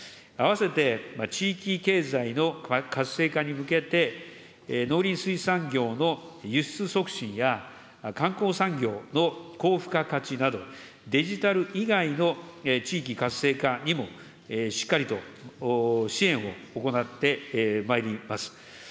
併せて地域経済の活性化に向けて、農林水産業の輸出促進や、観光産業の高付加価値など、デジタル以外の地域活性化にもしっかりと支援を行ってまいります。